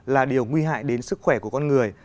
là điều nguy hại đến sức khỏe của con người